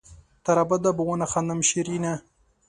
تر ابده به ونه خاندم شېرينه